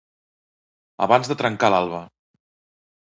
Abans de trencar l'alba.